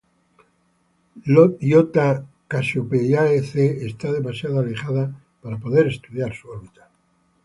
Iota Cassiopeiae C está demasiado alejada para poder estudiar su órbita.